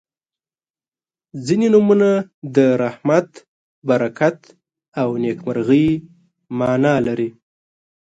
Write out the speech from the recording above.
• ځینې نومونه د رحمت، برکت او نیکمرغۍ معنا لري.